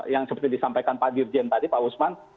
yang seperti disampaikan pak dirjen tadi pak usman